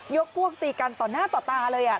พวกตีกันต่อหน้าต่อตาเลย